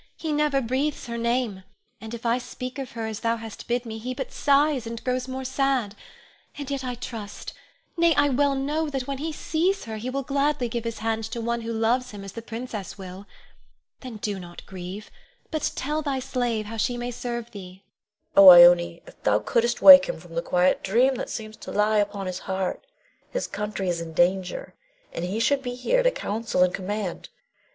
He never breathes her name, and if I speak of her as thou hast bid me, he but sighs, and grows more sad; and yet I trust, nay, I well know that when he sees her he will gladly give his hand to one who loves him as the princess will. Then do not grieve, but tell thy slave how she may serve thee. Queen. Oh, Ione, if thou couldst wake him from the quiet dream that seems to lie upon his heart. His country is in danger, and he should be here to counsel and command.